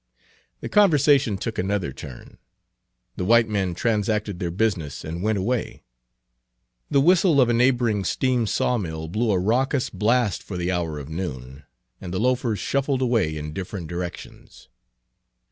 The conversation took another turn. The white men transacted their business and went away. The whistle of a neighboring steam sawmill blew a raucous blast for the hour of noon, and the loafers shuffled away in different directions.